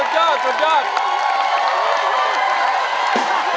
สุดยอด